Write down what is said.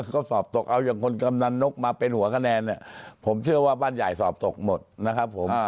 คือเขาสอบตกเอาอย่างคนกำนันนกมาเป็นหัวคะแนนเนี่ยผมเชื่อว่าบ้านใหญ่สอบตกหมดนะครับผม